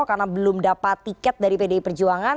karena belum dapat tiket dari pdi perjuangan